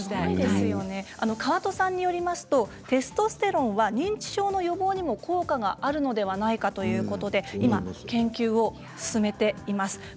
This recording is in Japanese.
川戸さんによりますとテストステロンは認知症の予防にも効果があるのではないかということで今、研究を進めています。